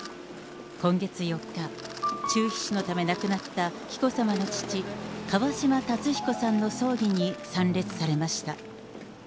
今月４日、中皮腫のため亡くなった紀子さまの父、川嶋辰彦さんの葬儀に参列されました。